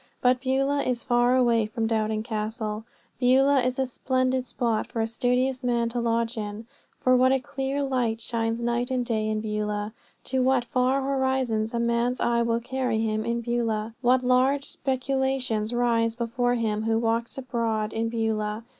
But Beulah is far away from Doubting Castle. Beulah is a splendid spot for a studious man to lodge in. For what a clear light shines night and day in Beulah! To what far horizons a man's eye will carry him in Beulah! What large speculations rise before him who walks abroad in Beulah!